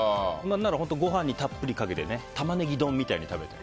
ご飯にたっぷりかけてタマネギ丼みたいに食べたり。